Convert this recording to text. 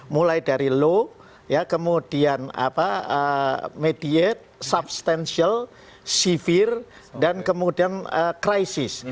mulai dari low kemudian mediate substantial severe dan kemudian crisis